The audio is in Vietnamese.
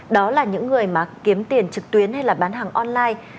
đó là những người mà kiếm tiền trực tuyến hay là bán hàng online